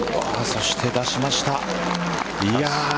そして、出しました。